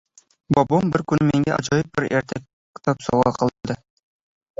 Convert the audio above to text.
Bobom bir kuni menga ajoyib bir ertak kitob sovgʻa qildi.